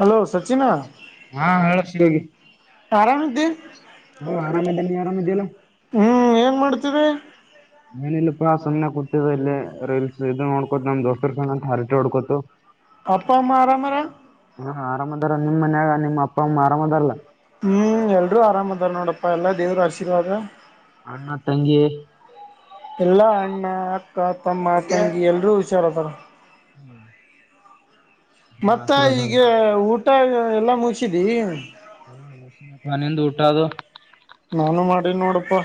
Hello Sachin ಹಾ ಹೇಳ ಶಿವಯೋಗಿ. ಆರಾಮ್ ಇದ್ದಿ. ಹುಂ ಆರಾಮದ ಇದಿನೀ ನೀ ಆರಾಮ ಇದಿಯಲ್ಲಾ ಹುಂ ಏನ್ ಮಾಡತ್ತಿದಿ ಎನ ಇಲ್ಲಾಪ್ಪಾ ಸುಮ್ಮನೆ ಕುತಿದ್ದೆ ಇಲ್ಲೇ ರಿಲ್ಸ್ ಇದು ನೋಡ್ಕೋತ ನಮ್ ದೋಸ್ತ ರಿ ಸಗಾಟು ಹರಟಿ ಹೊಡ್ಕೊತು ಅಪ್ಪ ಅಮ್ಮ ಆರಾಮ್ ಆರಾ ಹ ಆರಾಮ್ ದಾರ ನಿಮ್ಮ ಮನ್ಯಾಗ ನಿಮ್ಮ ಅಪ್ಪ ಅಮ್ಮಾ ಆರಾಮ ಅದಾರಲ್ಲಾ ಹುಂ ಎಲ್ರು ಆರಾಮ ಅದಾರ ನೋಡಪ್ಪಾ ಎಲ್ಲಾ ದೇವ್ರ ಆಶೀರ್ವಾದಾ ಅಣ್ಣ ತಂಗಿ- ಎಲ್ಲಾ ಅಣ್ಣ, ಅಕ್ಕಾ, ತಮ್ಮಾ, ತಂಗಿ ಎಲ್ಲರೂ ಹುಷಾರಿದಾರ. [inaudible] ದೇವ್ರ ಮತ್ತ ಆಶೀರ್ವಾದ ಈಗ ಊಟಾ ಎಲ್ಲಾ ಮುಗಿಸಿದಿ. ಹಾ ಮುಗಿಸಿದೀನಪ್ಪಾ ನಿಂದ ಊಟಾ ಅದು. ನಾನು ಮಾಡಿನ್ ನೋಡಪ್ಪಾ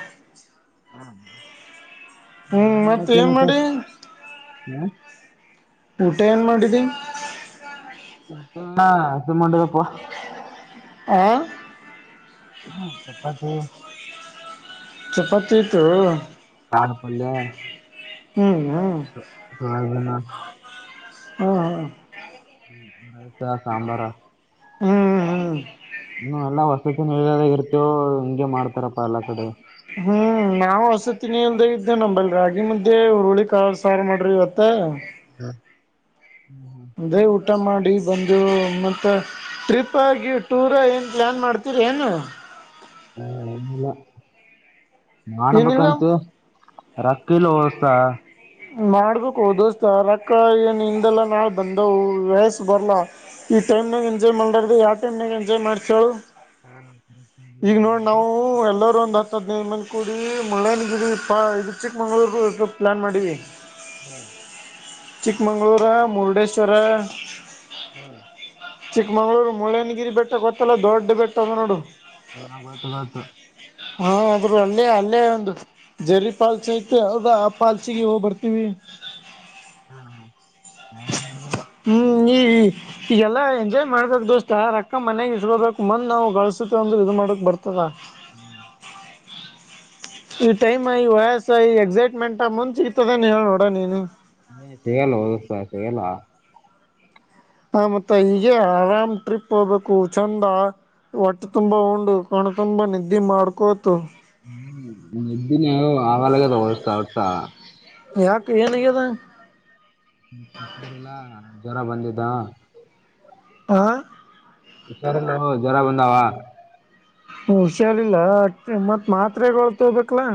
ಹುಂ ಮತ್ತ್ ಏನ್ ಮಾಡಿ. ಹಾ ಊಟಾ ಏನ್ ಮಾಡಿದ್ದಿ. ಊಟಾ [unintelligible] ಹಾ ಹ್ ಚಪಾತಿ- ಚಪಾತಿ ಇತ್ತು. ಕಾಳ ಪಲ್ಯಾ ಹುಂ ಹು [unintelligible] ಹ್ಹಾ ಹ್ಹ. ಆಯ್ತು ಸಾಂಬಾರಾ ಅನ್ನ. ಹ್ಮ್ ಹ್ಮ್ ಹ್ಮ್ ಹ ಎಲ್ಲಾ ವಸತಿ ನಿಲಯದಲ್ಲಿ ಇರ್ತೇವ ಹಿಂಗೆ ಮಾಡ್ತಾರಪ್ಪಾ ಎಲ್ಲಾ ಕಡೆ. ಹ್ಮ್ ನಾವು ವಸತಿ ನಿಲಯದಲ್ಲಿ ಇದ್ದ ನಂಬಲ್ಲಿ ರಾಗಿ ಮದ್ದೆ ಹುರುಳಿ ಕಾಳು ಸಾರು ಮಾಡ್ಯಾರ ಇವತ್ತು. [unintelligible] ಹಾ ಹ್ಮ್ ಹ್ಮ್ ಅದೇ ಊಟ ಮಾಡಿ ಬಂದು ಮತ್ತ. ಟ್ರಿಪ್ ಆಗಿ ಟೂರ ಏನ್ ಪ್ಲ್ಯಾನ್ ಮಾಡ್ತೀರ ಏನು. ಹಾ ಏನಿಲ್ಲ. ಏನಿಲ್ಲ ಮಾಡ್ಬೇಕಂತ ರೊಕ್ಕಿಲ್ಲ ದೋಸ್ತ. ಮಾಡ್ಬೇಕ ಹೋ ದೋಸ್ತ ರಕ್ಕ ಏನ್ ಹಿಂದೆಲ್ಲಾ ನಾಳೆ ಬಂದವು ವಯಸ್ ಬರ್ಲ. ಈ ಟೈಮ್ನಾಗ ಎಂಜಾಯ್ ಮಾಡ್ಲರ್ಡೆ ಯಾವ ಟೈಮ್ ನಾಗ ಎಂಜಾಯ್ ಮಾಡ್ತಿ ಹೇಳು. ಹಾ. ಎಲ್ಲರ ಒಂದ ದ್ನೇದು ಮಂದ ಕೂಡಿ ಮುಳ್ಳಯ್ಯನಗಿರಿ ನಿದವಿ ಇದು ಚಿಕ್ಕಮಂಗ್ಳೂರ ಗೆ ಪ್ಲ್ಯಾನ್ ಮಾಡಿವಿ. ಹಾ ಚಿಕ್ಕಮಗಳೂರು ಮುರುಡೇಶ್ವರ. ಹ್ಮ ಚಿಕ್ಕಮಗ್ಳೂರು ಮುಳ್ಳಯನಗಿರಿ ಬೆಟ್ಟ ಗೊತ್ತಲ್ಲ ದೊಡ್ಡ ಬೆಟ್ಟ ಅದ ನೋಡು. ಹ ಗೊತ್ತು ಗೊತ್ತು. ಹಾ ಒಬ್ರು ಅಲ್ಲೇ ಅಲ್ಲೇ ಒಂದು. ಜರಿ ಪಾಲ್ಸಿ ಐತೆ ಅದ ಆ ಪಾಲ್ಸಿಗೆ ಹೋಗ್ ಬರ್ತೀವಿ. [unintelligible] [unintelligible] ಈಗೆಲ್ಲಾ ಎಂಜಾಯ್ ಮಾಡ್ಬೇಕ ದೋಸ್ತ ರೊಕ್ಕ ಮನ್ಯಾಗ ಇಸಕಬೇಕು ಮಂದ್ ನಾವು ಗಳಸತ ಅಂದ್ರ ಇದು ಮಾಡಕ್ ಬರ್ತದ. [inaudible] ಈ ಟೈಮ್ ಐ ವಯಸ್ ಐ ಎಕ್ಸೈಟ್ಮೆಂಟ್ ಮುಂದ ಸಿಗ್ತದೇನು ಹೇಳ ನೋಡ ನೀನು. ತೆಗೆಲ್ಲ ದೋಸ್ತ ತೆಗೆಲ್ಲ. ಹ ಮತ್ತ ಈಗೇ ಆರಾಮ್ ಟ್ರಿಪ್ ಹೋಗ್ಬೇಕು ಚಂದ. ಒಟ್ಟೆ ತುಂಬಾ ಉಂಡು ಕಣ ತುಂಬ ನಿದ್ದೆ ಮಾಡ್ಕೋತು. ಹ್ಮ ನೀದ್ದೀನಿ ಅಗಲಗ್ಯಾಡೊ ಹೊರ್ತಾ ದೋಸ್ತ. ಯಾಕ ಏನ್ ಆಗ್ಯದ. ರಿಲ್ಲಾ ಜ್ವರ ಬಂದಿದ್ದ. ಹಾ ಹುಷಾರಿಲೋ ಜ್ವರ ಬಂದಾವ. ಹ ಹುಷಾರಿಲ್ಲ ಮತ್ ಮಾತ್ರೆಗಳು ತೊಗ್ಬೇಕಲಾ.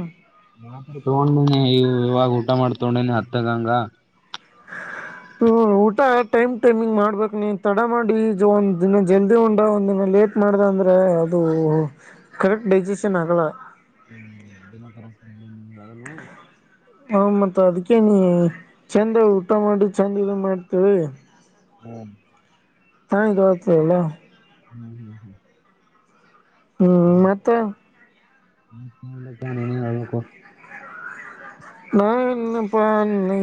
ಮಾತ್ರೆ ತಗೊಂಡನಿ ಇ ಇವಾಗ ಊಟ ಮಾಡ್ ತಗೊಂಡೇನಿ ಹತ್ತಗಂಗ. ಹ ಹ ಊಟ ಟೈಮ್ ಟೈಮಿಂಗ್ ಮಾಡ್ಬೇಕು ನೀ ತಡ ಮಾಡಿ ಒಂದ ದಿನ ಜಲ್ದಿ ಉಂಡಾ ಒಂದ್ ದಿನ ಲೇಟ್. ಮಾಡ್ದ ಅಂದ್ರ ಅದು ಕರೆಕ್ಟ್ ಡೈಜೆಷನ್ ಆಗಲ್ಲ. [unintelligible] ಹ ಮತ್ ಅದ್ಕೇ ನೀ ಚಂದ ಊಟ ಮಾಡಿ ಚಂದ ಇದ ಮಾಡ್ತೇವಿ. ಹ್ಮ್ [unintelligible] ಹ್ಮ್ ಹ್ಮ್ ಹ್ಮ್ ಹ್ಮ್ ಮತ್ತ. ನೋಡಪ್ಪ ನೀನೇ ಹೇಳ್ಬೇಕು. ನಾನಪ್ಪ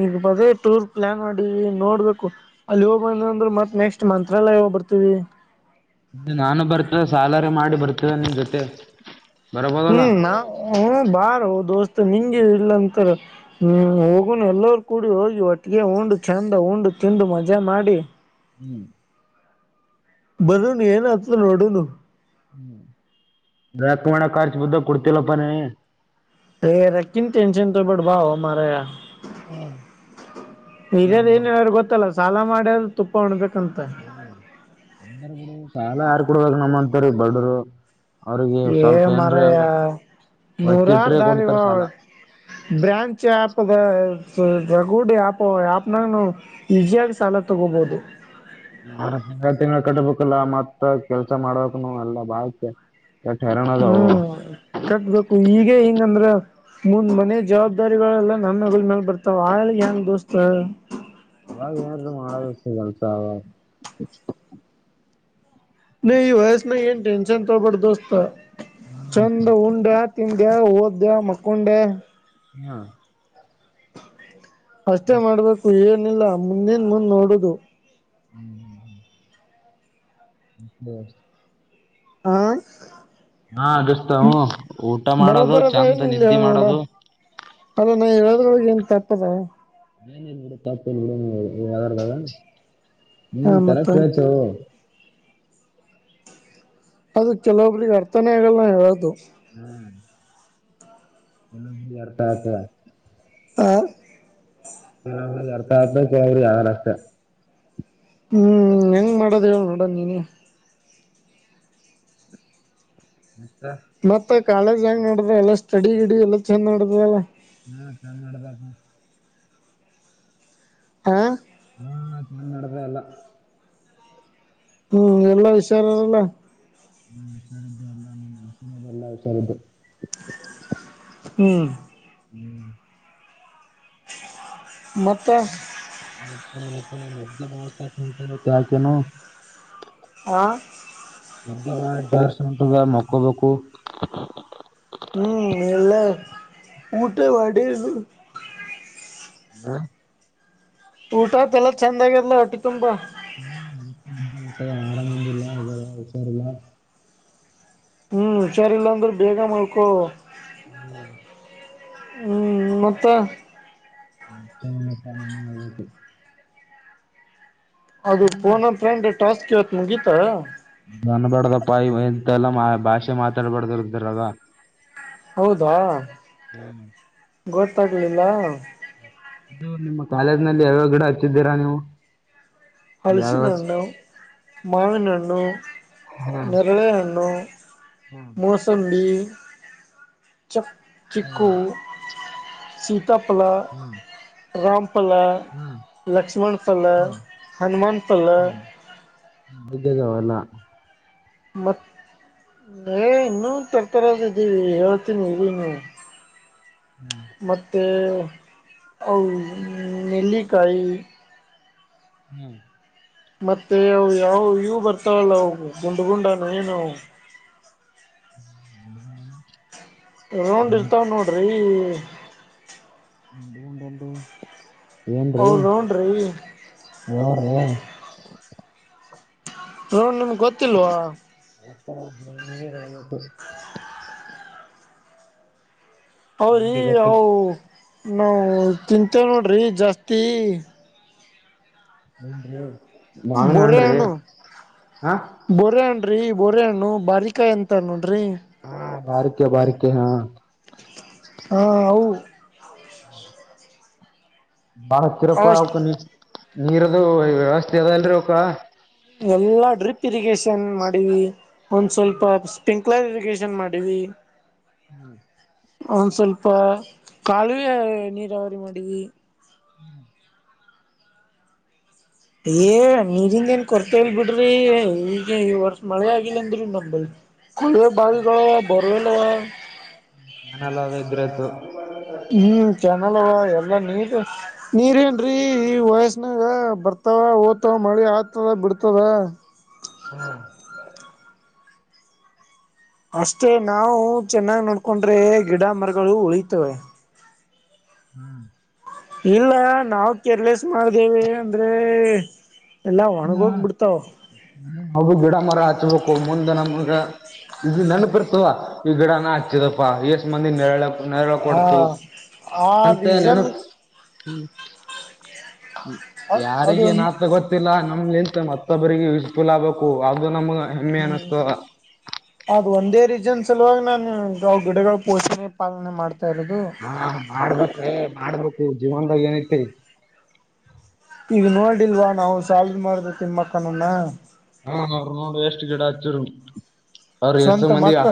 ಈಗ ಬಗೆ ಟೂರ್ ಪ್ಲಾನ್ ಮಾಡಿವಿ ನೋಡ್ಬೇಕು. ಅಲ್ಲಿ ಹೋಗ್ ಬಂದ ಅಂದ್ರ ಮತ್ ನೆಕ್ಸ್ಟ್ ಮಂತ್ರಾಲಯ ಹೋಗ್ ಬರ್ತೀವಿ. ಇದು ನಾನು ಬರ್ತವಿ ಸಾಲರಾ ಮಾಡಿ ಬರ್ತೀವಿ ನಿನ್ ಜೊತೆ. ಬರಬೋದಲ್ಲ ಹ್ಮ್ ನಾ ಹ್ಮ್ ಬಾರೋ ದೋಸ್ತ್ ನಿಂಗೆ ಇಲ್ಲಂತಾರ. ಹ್ಞ ಹೋಗಣ ಎಲ್ಲರು ಕೂಡಿ ಹೋಗಿ ಒಟ್ಟಿಗೆ ಉಂಡು ಚೆಂದ ಉಂಡು ತಿಂದು ಮಜಾ ಮಾಡಿ ಹ್ಮ್ ಬಂದ್ರು ಏನ್ ಆತ್ಲಿಲ್ಲ ಹೊರಡುನು. ಹ್ಮ [unintelligible] ಕೊಡ್ತಿಲ್ಲಪ್ಪನೇ. ರೇ ರೆಕ್ಕಿನ್ ಟೆನ್ಷನ್ ತೋ ಬ್ಯಾಡ ಬಾಮಾರಯಾ. ಹಿರಿಯರ ಏನ್ ಹೇಳ್ಯಾರ ಗೊತ್ತಲ್ಲ ಸಾಲ ಮಾಡ್ಯ್ರೆ ತುಪ್ಪ ಹುಣ್ಬೇಕಂತ. ಅಂದ್ರ ಬುಡು ಸಾಲ ಯಾರ್ ಕೂಡಗನಾ ಮಾಡ್ತಾರ ಬಡವರು. ಹೇ ಮರಯಾ ನೂರಾರು ಒತ್ತಿಟ್ರೆ ಕೊಡ್ತಾರ ದಾರಿಗಳುವ. ಸಾಲ ಬ್ರ್ಯಾಂಚ್ [unintelligible] ಈಸಿಯಾಗಿ ಸಾಲ ತಗೋಬಹುದು. ನಾನು ತಿಂಗಳ ತಿಂಗಳ ಕಟ್ಬೇಕಲ ಮತ್ತ ಕೆಲ್ಸ ಮಾಡಕ್ನು ಎಲ್ಲಾ ಬಾಕ್ಕೆ. [unintelligible] ಹ್ಮ್ ಕಟ್ಬೇಕು ಹೀಗೆ ಹಿಂಗಂದ್ರ. ಮುಂದ್ ಮನೆ ಜವಾಬ್ದಾರಿಗಳೆಲ್ಲಾ ನಮ್ ಹೆಗಲ ಮ್ಯಾಲೆ ಬರ್ತಾವ ಆಳ ಹೆಂಗ ದೋಸ್ತ. ಅವಾಗ ಏನು ಮಾಡದು ಕೆಲ್ಸ ಅವ. ನೀ ಈ ವಯಸ್ಸುನಾಗ ಏನು ಟೆನ್ಷನ್ ತೋಬಡ ದೋಸ್ತ ಚಂದ ಉಂಡ್ಯ ತಿಂದ್ಯ ಓದ್ಯ ಮಕೊಂಡ್ಯ ಹಾ ಅಷ್ಟೇ ಮಾಡ್ಬೇಕು ಏನಿಲ್ಲ ಮುಂದಿಂದು ಮುಂದ್ ನೋಡೋದು. ಹ್ಮ್ ಹ್ಮ ಹ್ಮ [unintelligible] ಹಾ ಹಾ ಆಗಸ್ಟಾ ಹ್ಮ್ ಊಟ ಮಾಡೋದು ಬರೋಬ್ಬರದ ಏನ್ ಚೆಂದ ಇಲ್ಲಿ ನಿದ್ದಿ ಹೇಳ ನೋಡ ಮಾಡೋದು. ಅಲ್ಲ ನಾ ಹೇಳದ್ರೊಳಗೆ ಏನ್ ತಪ್ಪ ಅದ. ನ ಏನ್ ಬಿಡು ತಪ್ಪು ಇಲ್ಲ ಬಿಡು ನೀ ಹೇಳರ್ದಾಗ ನೀ ಹಾ ಮತ್ತ ಕರೆಕ್ಟ್ ಹೇಳ್ತೊ. ಅದು ಕೆಲೋಬ್ರಿಗೆ ಅರ್ಥನೇ ಆಗಲ್ಲ ನಾವ್ ಹೇಳೋದು. ಹಾ. ಇನ್ನೊ ಅರ್ಥ ಆತ. ಹಾ ಯಾರಿಗೆ ಅರ್ಥ ಆಗ್ಬೇಕು ಅವ್ರಿ ಆರಾ ಅಷ್ಟ. ಹ್ಮ್ ಹೆಂಗ್ ಮಾಡೋದ ಹೇಳ ನೋಡನ್ ನೀನೇ. ಎಂತ. ಮತ್ತ ಕಾಲೇಜ್ ಹೆಂಗ ನಡೆದ ಎಲ್ಲ ಸ್ಟಡಿ ಗಿಡಿ ಎಲ್ಲ ಚಂದ ನಡ್ದಾದಲ. ಹಾ ಚಂದ್ ನಡ್ದಾದ. ಹಾ ಹಾ ಚಂದ್ ನಡದಾದ ಎಲ್ಲ. ಹ್ಮ್ ಎಲ್ಲಾ ಹುಷಾರಾರಲ್ಲ. ಹ್ಮ ಹುಷಾರು ಅದವಿ ಎಲ್ಲ ಎಲ್ಲ ಹುಷಾರದ್ದವಿ. ಹ್ಮ್ ಹ್ಮ್ ಮತ್ತೆ ಮತ್ತೇನಿಲ್ಲಪ್ಪಾ ನಿದ್ದಿ ಭಾಳ ಕೆಟ್ಟ ಹೊಂಟುದ್ ಇವತ್ತ್ ಯಾಕ್ ಏನೋ. ಹಾಂ ನಿದ್ದಿ ಭಾಳ ಜಾಸ್ತ ಹೊಂಟುದ್ ಮಕ್ಕೋಬೇಕು. ಹ್ಮ್ ಎಲ್ಲ ಊಟ ಮಾಡಿ ಹಾ ಊಟ ಆತ್ ಎಲ್ಲ ಚಂದ ಆಗ್ಯದ್ಲಾ ಹೊಟ್ಟಿ ತುಂಬಾ. ಹ್ಮ [inaudible] ಆರಾಮಿದಿಲ್ಲ ಅ ಜರಾ ಹಷಾರಿಲ್ಲ ಹ್ಮ್ ಹುಷಾರಿಲ್ಲಾ ಅಂದ್ರ ಬೇಗ ಮಲ್ಕೋ ಹ್ಮ್ ಹ್ಮ್ ಮತ್ತ ಮತ್ತೇನಿಲ್ಲಪ್ಪಾ ನೀನೆ ಹೇಳ್ಬೇಕು. ಅದು ಪೋನ ಆಫ ಫ್ರೆಂಡ್ ಟಾಸ್ಕ್ ಇವತ್ತ್ ಮುಗೀತ ಅನ್ಬಾಡ್ದಪ್ಪ ಇವ್ ಇಂತಾವೆಲ್ಲಾ ಮಾ ಭಾಷೆ ಮಾತಾಡ್ಬಾರ್ದು ಇದ್ರಾಗ್. ಹೌದಾ. ಹ್ಮ್ ಗೊತ್ತಾಗಲಿಲ್ಲ. ಇದು ನಿಮ್ಮ ಕಾಲೇಜ್ ನಲ್ಲಿ ಯಾವ್ಯಾವ ಗಿಡ ಹಚ್ಚಿದ್ದೀರಾ ನೀವು? ಹಲಸಿನ ಯಾವ್ಯಾವ ಹಣ್ಣು ಮಾವಿನ ಹಣ್ಣು ಹಾ ನೆರಳೆ ಹಣ್ಣು ಹಾ ಮೂಸ ತಂಡಿ ಚಕ್ ಹಾ ಚಿಕ್ಕೂ ಸೀತಾಫಲ. ಹ್ಮ್ ರಾಮಪಲ ಲಕ್ಷ್ಮಣ ಪಲ್ಲ ಹಾ ಹನುಮಾನ್ ಪಲ್ಲ ಬಿದ್ದಿದಾವೆಲ್ಲ ಮತ್ ಎ ಇನ್ನೂ ತರ್ತರದಿದ್ದೀವಿ ಹೇಳ್ತೀನಿ ಇರಿ ಇನ್ನು. ಹ್ಮ್ ಮತ್ತೆ ಅವು ನೆಲ್ಲಿಕಾಯಿ ಹ್ಮ್ ಮತ್ತೆ ಅವು ಯಾವ ಇವು ಬರ್ತಾವಲ್ಲ ಅವು ಗುಂಡ ಗುಂಡಗೆ ಏನ್ ಅವು ಹ್ಮ [inaudible] ರೌಂಡ್ ಇರ್ತವ್ ನೋಡ್ರಿ ಗುಂಡಂದ ಏನ್ರಿ? ಅವ ರೌಂಡ್ರಿ ಯಾವ್ರೀ? ಬ್ರೋ ನಿಮಗ್ ಗೊತ್ತಿಲ್ವಾ? [inaudible] ಅವ್ರಿ ನಮಗೆ ಗೊತ್ತಿಲ್ಲ ಅವು ನಾವು ತಿಂತೇವ್ ನೋಡ್ರಿ ಜಾಸ್ತಿ. ಎನ್ರಿ? ಬೋರೆಹಣ್ಣು. ಬೊರೆ ಹಣ್ರೀ ಬೊರೆ ಹಣ್ಣು ಬಾರಿಕಾಯ್ ಅಂತಾರ ನೋಡ್ರಿ ಹ ಬಾರಿಕಾಯಿ ಬಾರಿಕಾಯಿ ಹಾ. ಹಾ ಅವು. ಬಾಳಕ್ಕಿರಪ ಅಷ್ಟ್ ಅವಕ ನೀ ನೀರದು ವ್ಯವಸ್ಥೆ ಅದಇಲ್ರಿ ಅವಕ್ಕ ಎಲ್ಲಾ ಡ್ರಿಪ್ ಇರಿಗೇಶನ್ ಮಾಡಿ ಒಂದ್ ಸ್ವಲ್ಪ ಸ್ಪಿಂಕ್ ಕ್ಲಾರಿಫಿಕೇಶನ್ ಮಾಡಿವಿ. ಹ್ಮ ಒಂದ ಸ್ವಲ್ಪ ಕಾಲುವೆ ನೀರಾವರಿ ಮಾಡಿವಿ. ಹ್ಮ್ ಏ ನೀರಿಂದ ಏನ್ ಕೊರತೆ ಇಲ್ ಬಿಡ್ರಿ ಈಗ ಈ ವರ್ಷ ಮಳೆ ಆಗಿಲ್ಲಂದ್ರು ನಂಬಲ್ಲಿ. ಕೊಳವೆ ಬಾವಿಗೋಳ ಅವ ಬೋರ್ವೆಲ್ಲ ಅವ. ಕ್ಯಾನಲ್ ಅದ ಇದ್ರತು. ಹ್ಮ್ ಚನಲ್ ಅವ ಎಲ್ಲ ನೀರ್ ನೀರ ಏನ್ರಿ ಈ ವಯಸ್ಸನಾಗ ಬರ್ತಾವ ಹೊತಾವ್ ಮಳಿ ಆತದ ಬಿಡ್ತದ. ಹಾ ಅಷ್ಟೇ ನಾವು ಚೆನ್ನಾಗ್ ನೋಡ್ಕೊಂಡ್ರೆ ಗಿಡ ಮರಗಳು ಉಳಿತವೆ. ಹ್ಮ್ ಇಲ್ಲ ನಾವ ಕೇರ್ಲೆಸ್ ಮಾಡ್ದೇವೆ ಅಂದ್ರೆ. ಎಲ್ಲ ಇಲ್ಲ ಒಣಗೋಗ್ಬಿಡ್ತಾವ. ಅವು ಗಿಡ ಮರ ಹಚ್ಬೇಕು ಮುಂದ ನಮಗ. ಇದು ನೆನಪಿರ್ತದ ಈ ಗಿಡನ ನಾ ಹಚ್ಚಿದಪ್ಪಾ ಇಸ್ ಮಂದಿಗ ನೆರಳ ಆತ್ ನೆರಳ ಹಾ ಕೊಡ್ತು ಆ ಅಂತ ರೀಸನ್ ನೆನಪ ಹ್ಮ್ ಹ್ಮ್ ಅದು ಯಾರಿಗೇನ್ ಆತದ ಗೊತ್ತಿಲ್ಲ ನಮ್ಲಿಂತ ಮತ್ತೊಬ್ಬರಿಗಿ ಯೂಸ್ಫುಲ್ ಆಗ್ಬೇಕು ಅದು ನಮ್ಗ ಹೆಮ್ಮೆ ಅನಸ್ತದ. ಅದು ಒಂದೇ ರೀಸನ್ ಸಲುವಾಗ ನಾನು ಗಿಡಗಳು ಪೋಷಣೆ ಪಾಲನೆ ಮಾಡ್ತಾ ಇರೋದು. ಹಾ ಮಾಡ್ಬೇಕ್ರಿ ಮಾಡ್ಬೇಕ್ರಿ ಜೀವನದಾಗ ಏನೈತ್ರಿ. ಈಗ ನೋಡಿಲ್ವಾ ನಾವು ಸಾಲ್ ಮರದ ತಿಮ್ಮಕ್ ನನ್ನ. ಹಾ ಅವ್ರು ನೋಡು ಎಷ್ಟ್ ಗಿಡ ಹಚ್ಚೂರು ಅವ್ರ ಎಷ್ಟು ಸ್ವಂತ ಮಂದಿಯ ಮಕ್ಳ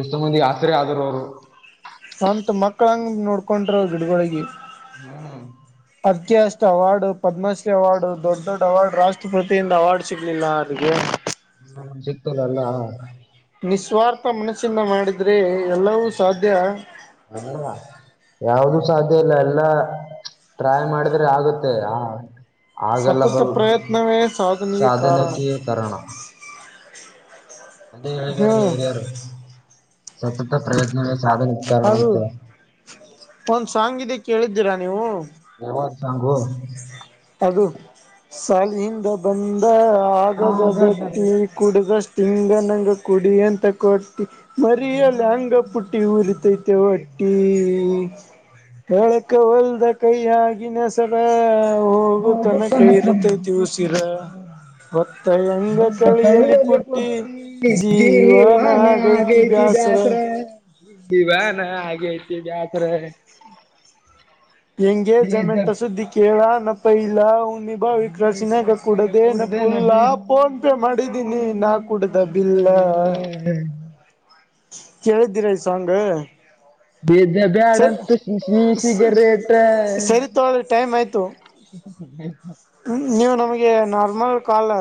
ಎಷ್ಟೋ ಮಂದಿಗ ಆಸರೆ ಆದರು ಅವ್ರು. ಸ್ವಂತ ಮಕ್ಕಳಂಗ ನೋಡ್ಕೊಂಡ್ರು ಗಿಡಗೊಳಿಗಿ. ಹ್ಮ ಅದ್ಕೆ ಅಷ್ಟ ಅವಾರ್ಡ್ ಪದ್ಮಶ್ರೀ ಅವಾರ್ಡ್ ದೊಡ್ಡ ದೊಡ್ಡ ಅವಾರ್ಡ್ ರಾಷ್ಟ್ರಪತಿಯಿಂದ ಅವಾರ್ಡ್ ಸಿಗ್ಲಿಲ್ಲ ಅವ್ರಿಗೆ. ಹ್ಮ್ ಸಿಗ್ತೆಲ್ಲಾ. ನಿಸ್ವಾರ್ಥ ಮನಸ್ಸಿಂದ ಮಾಡಿದ್ರೆ ಎಲ್ಲವೂ ಸಾಧ್ಯ. ಹಲೋ ಯಾವ್ದ ಸಾಧ್ಯ ಇಲ್ಲ ಎಲ್ಲಾ ಟ್ರೈ ಮಾಡಿದ್ರೆ ಆಗುತ್ತೆ ಆ ಆಗಲ್ಲ ಸತತ ಬೋ ಪ್ರಯತ್ನವೇ ಸಾಧನೆಗೆ ಕಾರಣ ಸಾಧನಕ್ಕೆ ಕಾರಣ. ಅದೇ ಹೇಳಿದಾರಲ್ಲ ಹ್ಮ್ ಹಿರಿಯರು ಸತತ ಪ್ರಯತ್ನವೇ ಸಾಧನೆಗೆ ಕಾರಣ ಅದು ಅಂತ. ಒಂದ್ ಸಾಂಗಿದೆ ಕೇಳಿದ್ದೀರಾ ನೀವು. ಯಾವಾದ್ ಸಾಂಗು. ಅದು ಸಾಲಿಯಿಂದ ಬಂದ ಆಗಾಗ ಬೇಟ್ಟಿ ಕುಡ್ದಷ್ಟ್ ಹಿಂಗ ನಂಗ ಕುಡಿ ಅಂತ ಕೊಟ್ಟಿ ಮರಿಯ ಲ್ಯಾಂಗ್ ಪುಟ್ಟಿ ಊರಿತೈತೆ ಒಟ್ಟಿ. ಹೇಳಕ ಹೊಲ್ದ ಕೈ ಆಗಿನ ಸರಾ. ಹೋಗುತನ [unintelligible] ಉಸಿರ ಹೊತ್ತ ಹೆಂಗ ಹ್ಯಾಂಗ್ ಕಳಿಯಲಿ ಕೈಯಲ್ಲಿ ಪುಟ್ಟಿ ಕೊಡ್ತಿ ಜೀವನ್ ಆಗೈತಿ ಬ್ಯಾಸರ. ಏ ಜೀವನ ಆಗೈತಿ ಬ್ಯಾಸರ. ಹೆಂಗೆ ಜಮೆಂಟ್ ಸುದ್ದಿ ಕೇಳ ನಪ್ಪ ಇಲ್ಲ ಒಮ್ಮಿ ಬಾವಿ ಇದೇ ಕ್ರಶಿನಾಗ ಕಾಶ್ನಾಗ ಕೂಡದೇನ ಕುಡ್ದೆ ಫುಲ್ ನದಿ ಇಲ್ಲ ಫೋನ್ ಪೇ ಕುಡ್ದೆ ಮಾಡಿದ್ದೀನಿ ನಾಕ ಮಾಡಿದ್ನಿ ನಾ ಕುಡ್ದ ಬಿಲ್ಲ. [inaudible] ಕೇಳ್ದಿರ ಸಾಂಗ. ಸೀದಾ ಬ್ಯಾಡಂತ ನೀ ಸಿಗರೇಟ್. ಸರಿ ತೊಗೊಳ್ಳಿ [inaudible] ಹ ನೀವು ನಮಗೆ ನಾರ್ಮಲ್ ಕಾಲ್.